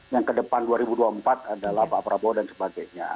yang kedepan dua ribu dua puluh empat adalah pak prabowo dan sebagainya